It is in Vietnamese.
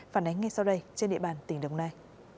phản ánh ngay sau đây trên địa bàn tỉnh đồng nai